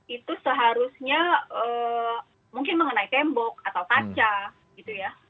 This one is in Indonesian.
itu seharusnya mungkin mengenai tembok atau kaca gitu ya